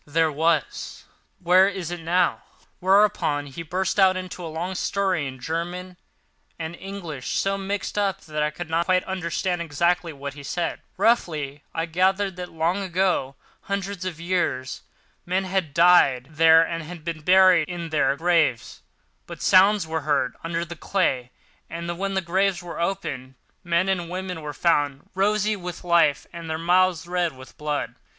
"There was." "Where is it now?" Whereupon he burst out into a long story in German and English, so mixed up that I could not quite understand exactly what he said, but roughly I gathered that long ago, hundreds of years, men had died there and been buried in their graves; and sounds were heard under the clay, and when the graves were opened, men and women were found rosy with life, and their mouths red with blood.